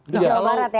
di jawa barat ya